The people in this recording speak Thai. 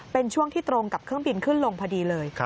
เป็นช่วงที่ตรงกับเครื่องบินขึ้นลงพอดีเลย